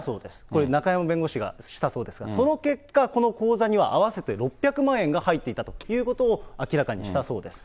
これ、中山弁護士がしたそうですが、その結果、この口座には合わせて６００万円が入っていたということを明らかにしたそうです。